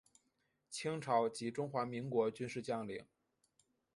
清朝及中华民国军事将领。